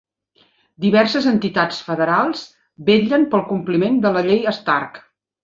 Diverses entitats federals vetllen pel compliment de la llei Stark.